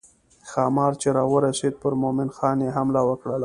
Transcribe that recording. ښامار چې راورسېد پر مومن خان یې حمله وکړه.